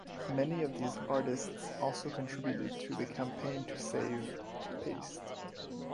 Many of these artists also contributed to the Campaign to Save "Paste".